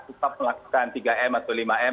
tetap melakukan tiga m atau lima m